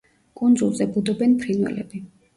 კუნძულზე ბუდობენ ფრინველები.